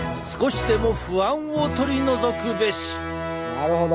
なるほど！